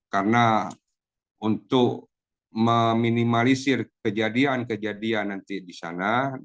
karena untuk meminimalisir kejadian kejadian nanti di sana daripada